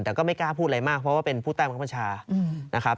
แต่ก็ไม่กล้าพูดอะไรมากเพราะว่าเป็นผู้ใต้บังคับบัญชานะครับ